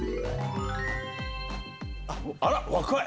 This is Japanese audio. あら若い！